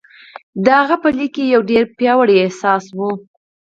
د هغه په ليک کې يو ډېر پياوړی احساس و.